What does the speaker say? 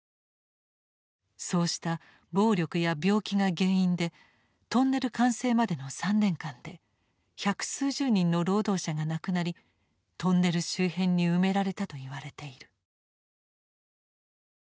そうした暴力や病気が原因でトンネル完成までの３年間で百数十人の労働者が亡くなりトンネル周辺に埋められたといわれている。